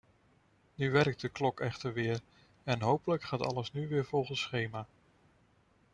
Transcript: Nu werkt de klok echter weer en hopelijk gaat alles nu weer volgens schema.